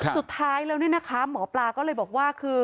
สุดท้ายแล้วเนี่ยนะคะหมอปลาก็เลยบอกว่าคือ